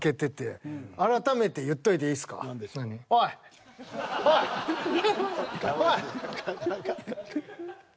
おいおいおい。